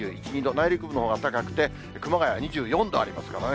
内陸部のほうは高くて、熊谷２４度ありますからね。